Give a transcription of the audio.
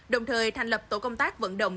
đồng thời thành lập tổ công tác vận động